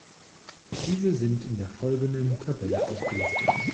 Diese sind in der folgenden Tabelle aufgelistet.